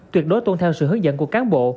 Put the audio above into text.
tuyệt đối tôn theo sự hướng dẫn của cán bộ